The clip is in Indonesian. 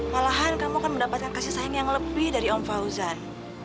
malahan kamu akan mendapatkan kasih sayang yang lebih dari om fauzan